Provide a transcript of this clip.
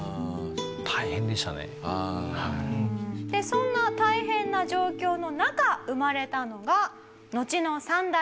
そんな大変な状況の中生まれたのが。